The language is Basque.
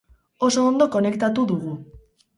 Oso ondo konektatu dugu.